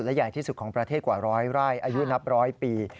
และใหญ่ที่สุดของประเทศกว่าร้อยไร่อายุนับร้อยปี